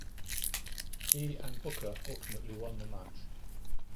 He and Booker ultimately won the match.